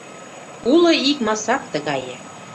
Уло ик масак тыгае: